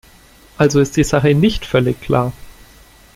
Also ist die Sache nicht völlig klar.